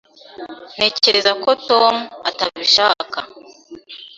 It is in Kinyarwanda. Ntekereza ko Tom atabishaka.